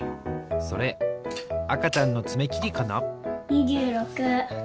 それあかちゃんのつめきりかな？